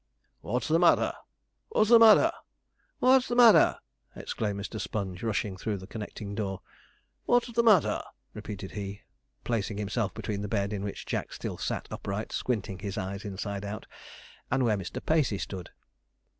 'What's the matter? what's the matter? what's the matter?' exclaimed Mr. Sponge, rushing through the connecting door. 'What's the matter?' repeated he, placing himself between the bed in which Jack still sat upright, squinting his eyes inside out, and where Mr. Pacey stood.